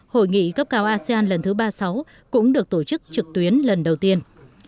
hội nghị cấp cao asean lần thứ ba mươi sáu cũng được tổ chức trực tuyến lần đầu tiên